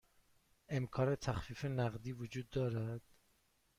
امکان تخفیف نقدی وجود دارد؟